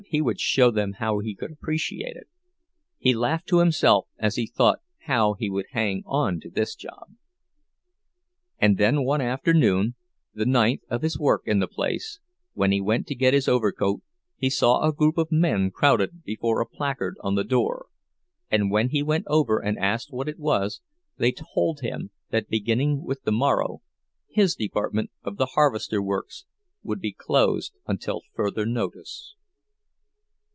he would show them how he could appreciate it. He laughed to himself as he thought how he would hang on to this job! And then one afternoon, the ninth of his work in the place, when he went to get his overcoat he saw a group of men crowded before a placard on the door, and when he went over and asked what it was, they told him that beginning with the morrow his department of the harvester works would be closed until further notice!